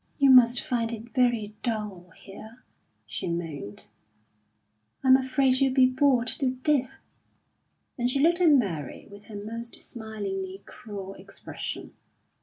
"You must find it very dull here," she moaned. "I'm afraid you'll be bored to death." And she looked at Mary with her most smilingly cruel expression.